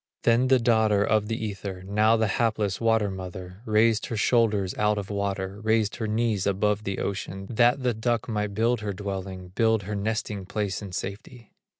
Then the daughter of the Ether, Now the hapless water mother, Raised her shoulders out of water, Raised her knees above the ocean, That the duck might build her dwelling, Build her nesting place in safety.